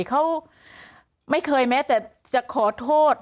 เขาไม่เคยแม้แต่จะขอโทษ